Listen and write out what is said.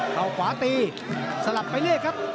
เค้าขวาตีสลับไปเลยครับ